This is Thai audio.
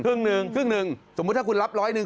ครึ่งหนึ่งครึ่งหนึ่งสมมุติถ้าคุณรับร้อยหนึ่ง